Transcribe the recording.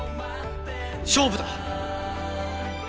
勝負だ！